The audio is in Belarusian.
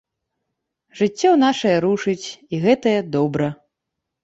Жыццё нашае рушыць і гэтае добра.